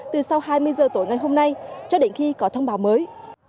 từ sau hai mươi giờ tối ngày hôm nay cho đến khi có thông báo mới